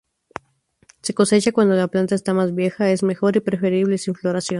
Se cosecha cuando la planta está más vieja, es mejor y preferible sin floración.